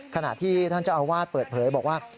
ขณะที่ท่านเจ้าอาวาสเปิดเผยบอกว่า